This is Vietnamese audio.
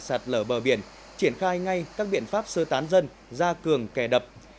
sạt lở bờ biển triển khai ngay các biện pháp sơ tán dân ra cường kè đập